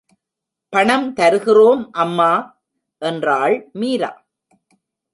பணம் தருகிறோம் அம்மா! என்றாள் மீரா.